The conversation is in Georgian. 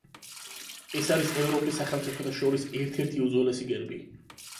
ეს არის ევროპის სახელმწიფოთა შორის ერთ-ერთი უძველესი გერბი.